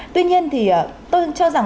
tuy nhiên thì tôi cho rằng